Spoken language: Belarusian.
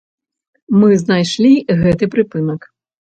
Мы знайшлі гэты прыпынак.